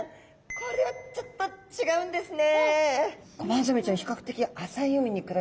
これはちょっと違うんですね。